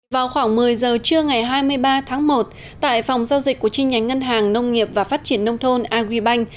vào khoảng một mươi giờ trưa ngày hai mươi ba tháng một tại phòng giao dịch của chi nhánh ngân hàng nông nghiệp và phát triển nông thôn agribank